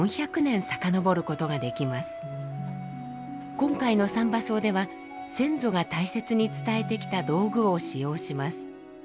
今回の「三番叟」では先祖が大切に伝えてきた道具を使用します。